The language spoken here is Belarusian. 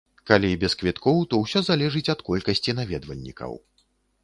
Калі без квіткоў, то ўсё залежыць ад колькасці наведвальнікаў.